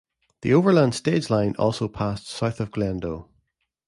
The Overland Stage Line also passed south of Glendo.